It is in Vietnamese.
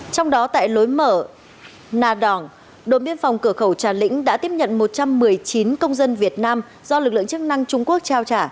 trong đó tại lối mở nà đỏng đội biên phòng cửa khẩu trà lĩnh đã tiếp nhận một trăm một mươi chín công dân việt nam do lực lượng chức năng trung quốc trao trả